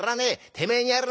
てめえにやる。